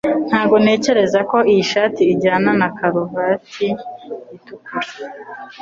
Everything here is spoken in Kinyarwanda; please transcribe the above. Ntabwo ntekereza ko iyi shati ijyana na karuvati itukura